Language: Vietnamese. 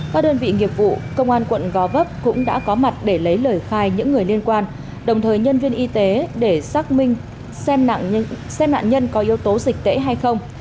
các đơn vị nghiệp vụ công an quận gò vấp cũng đã có mặt để lấy lời khai những người liên quan đồng thời nhân viên y tế để xác minh xem nạn nhân có yếu tố dịch tễ hay không